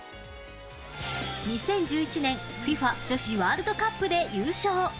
２０１１年、ＦＩＦＡ女子ワールドカップで優勝。